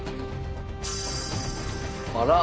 あら！